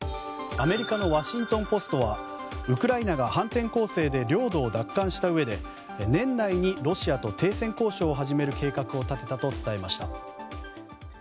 アメリカのワシントン・ポストはウクライナが反転攻勢で領土を奪還したうえで年内にロシアと停戦交渉を始める計画を立てたと伝えました。